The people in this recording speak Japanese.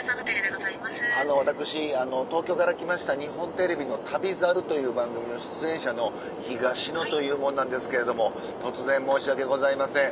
私東京から来ました日本テレビの『旅猿』という番組の出演者の東野という者なんですけれども突然申し訳ございません。